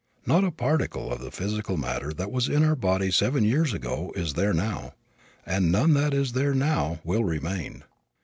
Not a particle of the physical matter that was in our bodies seven years ago is there now, and none that is there now will remain.